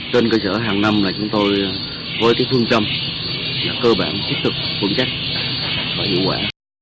trên cơ sở hàng năm là chúng tôi với cái phương trâm là cơ bản kích thực phương trách và hiệu quả